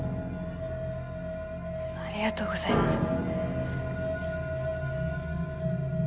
ありがとうございます。